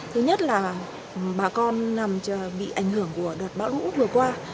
thứ nhất là bà con nằm bị ảnh hưởng của đợt bão lũ vừa qua